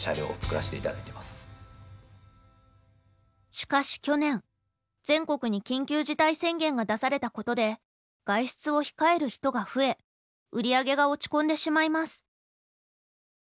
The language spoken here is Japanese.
しかし去年全国に緊急事態宣言が出されたことで外出を控える人が増え売り上げが落ち込んでしまいます。